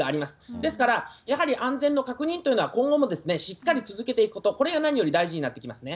ですから、やはり安全の確認というのは今後もしっかり続けていくこと、これが何より大事になってきますね。